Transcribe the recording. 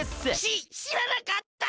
ししらなかった！